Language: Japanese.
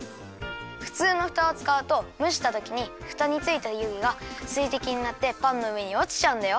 ふつうのふたをつかうとむしたときにふたについたゆげがすいてきになってパンのうえにおちちゃうんだよ。